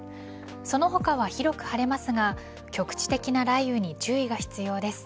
その他は広く晴れますが局地的な雷雨に注意が必要です。